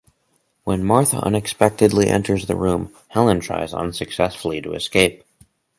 When Martha unexpectedly enters the room, Helen tries unsuccessfully to escape.